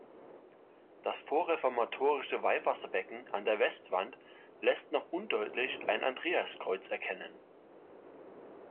Das vorreformatorische Weihwasserbecken an der Westwand lässt noch undeutlich ein Andreaskreuz erkennen.